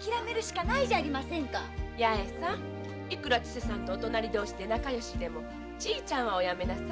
千世さんとお隣同士で仲良しでも「チーちゃん」はおやめなさい。